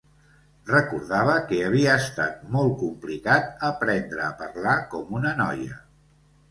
Recordava que havia estat molt complicat aprendre a parlar com una noia.